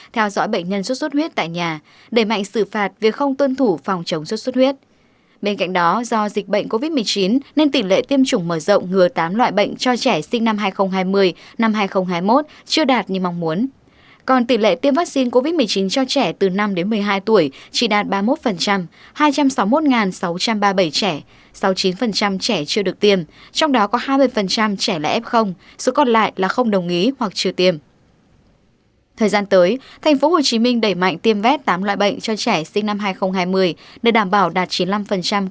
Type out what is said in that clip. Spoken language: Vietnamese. thời gian tới tp hcm đẩy mạnh tiêm vét tám loại bệnh cho trẻ sinh năm hai nghìn hai mươi để đảm bảo đạt chín mươi năm quy mô phường xã và trẻ sinh năm hai nghìn hai mươi một so với kế hoạch